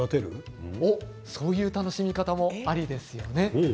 そういう楽しみもありですよね。